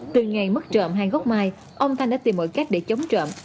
từ ngày mất trộm hai gốc mai ông thanh đã tìm mọi cách để chống trộm